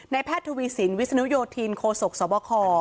แพทย์ทวีสินวิศนุโยธินโคศกสบค